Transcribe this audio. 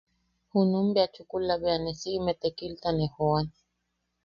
Junum bea chukula bea siime tekilta ne joan.